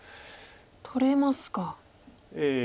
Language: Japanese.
取れますか。